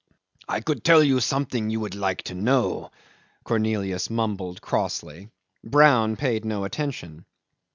"I could tell you something you would like to know," Cornelius mumbled crossly. Brown paid no attention.